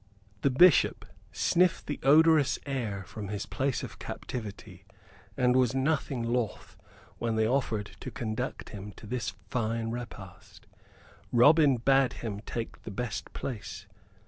The Bishop sniffed the odorous air from his place of captivity; and was nothing loth when they offered to conduct him to this fine repast. Robin bade him take the best place.